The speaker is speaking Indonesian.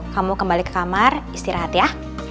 kamu kembali ke kamar istirahat ya